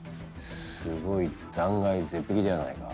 すごい断崖絶壁ではないか。